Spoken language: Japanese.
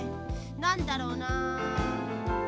なんだろうな。